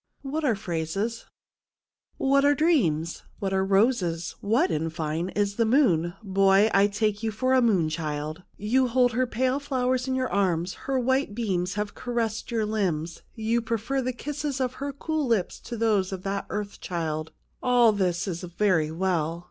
" What are phrases ?"" What are dreams ? What are roses ? What, in fine, is the moon ? Boy, I take you for a moon child. You hold her pale flowers in your arms, her white beams have caressed your limbs, you prefer the kisses of her cool lips to those of that earth child ; all this is very well.